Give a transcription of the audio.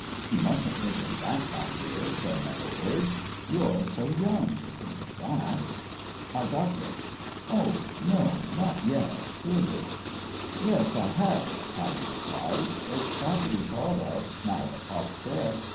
"You mustn't think of thai, my dear," Fair meadow urged. "You're so young to thmk of that." " Oh, no; not yet, study." "Yes, I have," Pattie replied; "ifs gat f be thought of now that pop's dead.